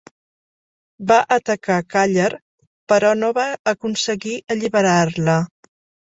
Va atacar Càller però no va aconseguir alliberar-la.